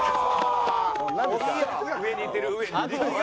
上にいってる上に。